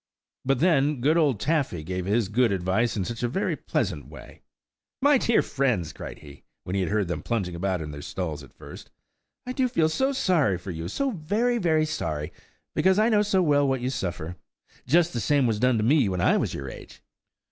But then, good old Taffy gave his good advice in such a very pleasant way! "My dear friends," cried he, when he heard them plunging about in their stalls at first, "I do feel so sorry for you–so very, very sorry–because I know so well what you suffer. Just the same was done with me when I was your age."